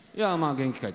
元気かい？